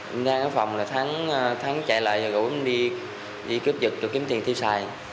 em đang ở phòng là thắng chạy lại và gửi em đi cướp giật để kiếm tiền tiêu xài